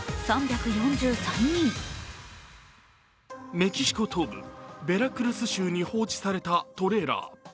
メキシコ東部・ベラクルス州に放置されたトレーラー。